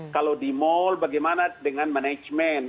kalau di mal bagaimana dengan manajemen